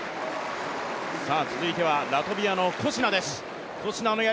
続いてはラトビアのコシナです。